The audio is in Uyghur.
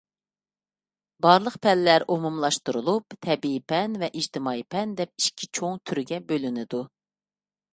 بارلىق پەنلەر ئومۇملاشتۇرۇلۇپ تەبىئىي پەن ۋە ئىجتىمائىي پەن دەپ ئىككى چوڭ تۈرگە بۆلۈنىدۇ.